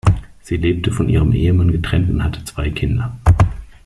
Sie lebte von ihrem Ehemann getrennt und hatte zwei Kinder.